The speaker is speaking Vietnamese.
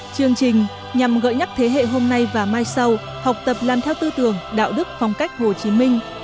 chương trình nhằm gợi nhắc thế hệ hôm nay và mai sau học tập làm theo tư tưởng đạo đức phong cách hồ chí minh